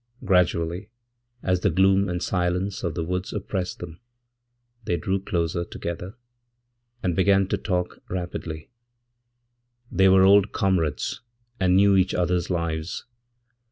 Gradually, as the gloom and silence of thewoods oppressed them, they drew closer together, and began to talkrapidly; they were old comrades and knew each other's lives.